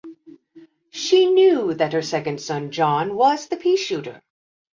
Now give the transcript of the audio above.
She knew that her second son John was the pea-shooter.